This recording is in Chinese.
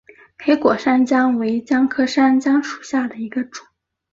黑果山姜为姜科山姜属下的一个种。